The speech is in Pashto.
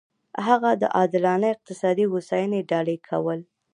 هغه د عادلانه اقتصادي هوساینې ډالۍ کول و.